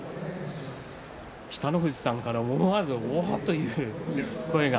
北の富士さんから思わずおおという声が。